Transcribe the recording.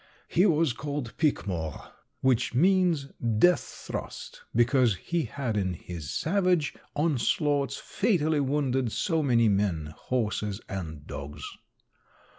He was called Pique Mort, which means death thrust, because he had in his savage onslaughts fatally wounded so many men, horses and dogs.